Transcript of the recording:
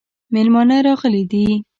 مېلمانه راغلي دي